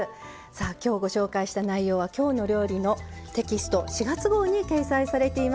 きょうご紹介した内容は「きょうの料理」のテキスト４月号に掲載されています。